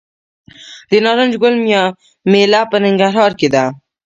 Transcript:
د نارنج ګل میله په ننګرهار کې ده.